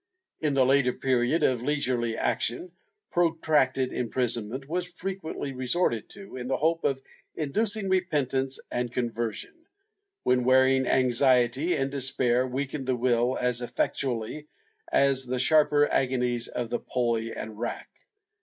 ^ In the later period of leisurely action, protracted imprisonment was frequently resorted to, in the hope of inducing repentance and conversion, when wearing anxiety and despair weakened the will as effectually as the sharper agonies of the pulley and rack.